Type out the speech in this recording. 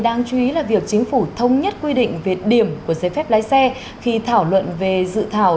đáng chú ý là việc chính phủ thông nhất quy định về điểm của giấy phép lái xe khi thảo luận về dự thảo